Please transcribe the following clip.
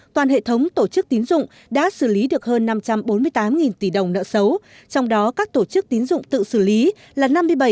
toàn hệ thống tổ chức tín dụng đã xử lý được hơn năm trăm bốn mươi tám tỷ đồng nợ xấu trong đó các tổ chức tín dụng tự xử lý là năm mươi bảy bảy